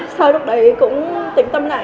sau lúc đấy cũng tỉnh tâm lại